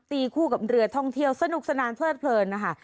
ตีคู่กับเรือท่องเที่ยวสนุกสนานเพลิดเพลินนะคะ